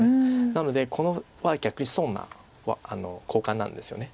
なのでこの場合逆に損な交換なんですよね。